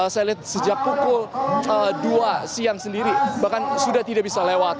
saya lihat sejak pukul dua siang sendiri bahkan sudah tidak bisa lewat